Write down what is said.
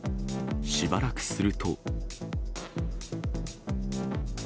しばらくすると。